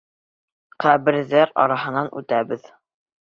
Ҡәберҙәр араһынан үтәбеҙ.